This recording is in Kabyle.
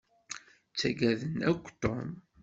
Ttaggaden akk Tom.